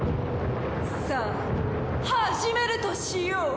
さあ始めるとしよう！